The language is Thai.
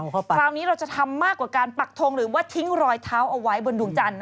คราวนี้เราจะทำมากกว่าการปักทงหรือว่าทิ้งรอยเท้าเอาไว้บนดวงจันทร์